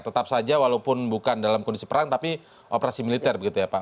tetap saja walaupun bukan dalam kondisi perang tapi operasi militer begitu ya pak